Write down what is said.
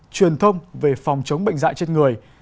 truyền thông về phòng chống bệnh dạy trên người